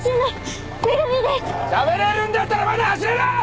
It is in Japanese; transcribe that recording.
しゃべれるんだったらまだ走れる！